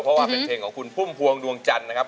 เพราะว่าเป็นเพลงของคุณพุ่มพวงดวงจันทร์นะครับ